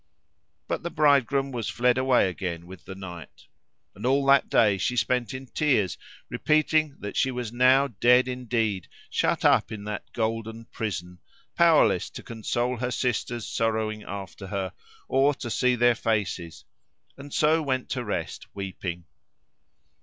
But the bridegroom was fled away again with the night. And all that day she spent in tears, repeating that she was now dead indeed, shut up in that golden prison, powerless to console her sisters sorrowing after her, or to see their faces; and so went to rest weeping.